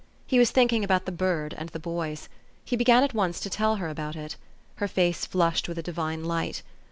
He was thinking about the bird and the boys. He began at once to tell her about it. Her face flushed with a divine light.